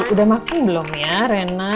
udah makin belum ya rena